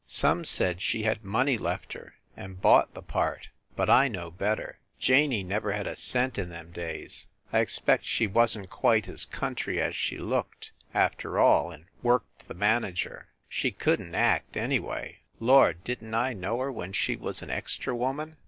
Some said she had money left her, and bought the part; but I know better, Janey never had a cent in them days. I expect she wasn t quite as country as she looked, after all, and worked the manager. She couldn t act, anyway! Lord, didn t I know her when she was an extra woman